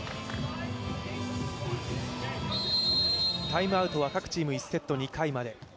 タイムアウトは各チーム１セット２回まで。